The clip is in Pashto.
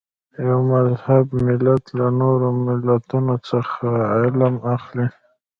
یو مهذب ملت له نورو ملتونو څخه علم اخلي.